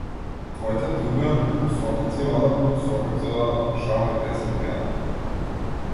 Твоите другар, по сокаци одат, по сокаци одат, жални песни пеат.